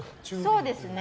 そうですね。